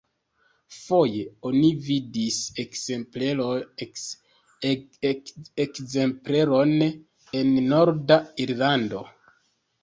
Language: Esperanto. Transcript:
Foje oni vidis ekzempleron en norda Irlando.